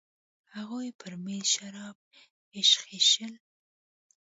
هغوی په میز شراب ایشخېشل.